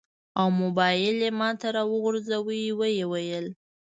او موبایل یې ماته راوغورځاوه. و یې ویل: